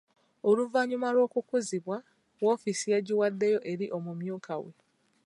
Oluvannyuma lw'okukuzibwa, woofiisi yagiwaddeyo eri omumyuka we.